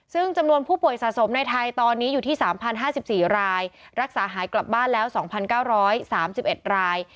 ซึ่งจำนวนผู้ป่วยสะสมในไทยตอนนี้อยู่ที่๓๐๕๔รายรักษาหายกลับบ้านแล้ว๒๙๓๑ราย